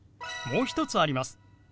もう一つあります。